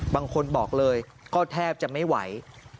บางคนบอกเลยก็แทบจะไม่ไหว